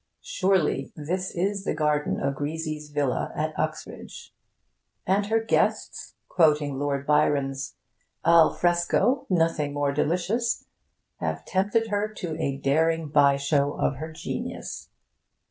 surely this is the garden of Grisi's villa at Uxbridge; and her guests, quoting Lord Byron's 'al fresco, nothing more delicious,' have tempted her to a daring by show of her genius.